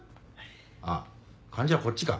あっ患者はこっちか。